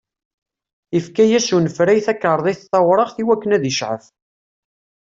Ifka-yas unefray takarḍit tawraɣt i wakken ad icɛef.